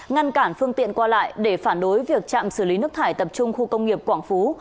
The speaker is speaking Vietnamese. ngăn cản phương tiện qua lại để phản đối việc trạm xử lý nước thải tập trung khu công nghiệp quảng phú